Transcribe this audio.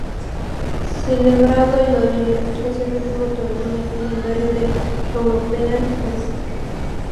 Celebrado en noviembre, es el último torneo en el calendario del European Tour.